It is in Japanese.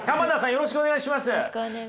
よろしくお願いします。